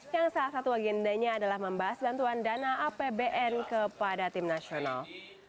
yang salah satu agendanya adalah membahas bantuan dana apbn kepada tim nasional